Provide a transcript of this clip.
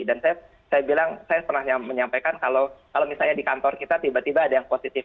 dan saya bilang saya pernah menyampaikan kalau misalnya di kantor kita tiba tiba ada yang positif